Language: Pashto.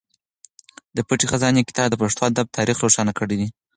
د پټې خزانې کتاب د پښتو ادب تاریخ روښانه کړی دی.